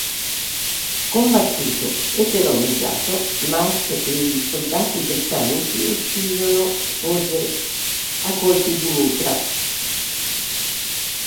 Combattuto e terrorizzato, Marc e i soldati britannici uccidono José a colpi di mitra.